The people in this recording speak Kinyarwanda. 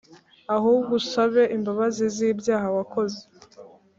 ahubwo usabe imbabazi z'ibyaha wakoze.